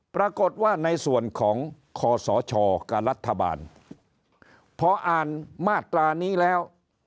ปรากฏว่าในส่วนของคอสชกับรัฐบาลพออ่านมาตรานี้แล้ว